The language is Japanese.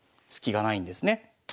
スキがないんですね。